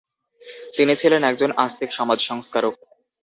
তিনি ছিলেন একজন আস্তিক সমাজ সংস্কারক।